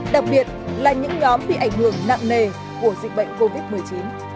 đặc biệt là những nhóm bị ảnh hưởng nặng nề của dịch bệnh covid một mươi chín